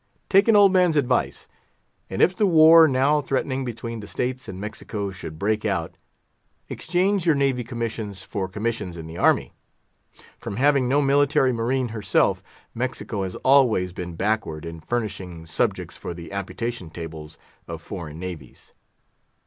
Take an old man's advice, and if the war now threatening between the States and Mexico should break out, exchange your navy commissions for commissions in the army. From having no military marine herself, Mexico has always been backward in furnishing subjects for the amputation tables of foreign navies.